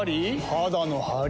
肌のハリ？